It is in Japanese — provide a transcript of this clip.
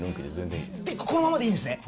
このままでいいんですね。